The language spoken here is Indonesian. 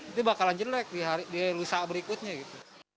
itu bakalan jelek di lusa berikutnya gitu